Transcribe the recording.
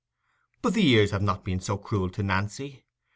But the years have not been so cruel to Nancy.